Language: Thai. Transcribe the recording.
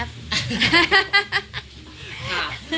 ค่ะ